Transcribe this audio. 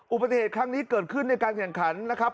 อุบัติเหตุครั้งนี้เกิดขึ้นในการแข่งขันนะครับ